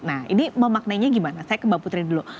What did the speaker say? nah ini memaknainya gimana saya ke mbak putri dulu